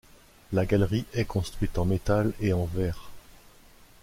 La galerie est construite en métal et en verre.